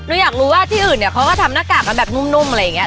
อยากรู้ว่าที่อื่นเนี่ยเขาก็ทำหน้ากากกันแบบนุ่มอะไรอย่างนี้